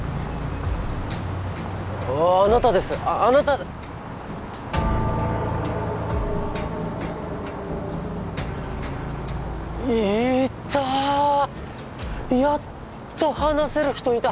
あなたですあなたいたやっと話せる人いた